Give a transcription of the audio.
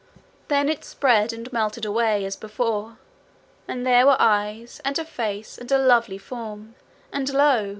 Then it spread and melted away as before, and there were eyes and a face and a lovely form and lo!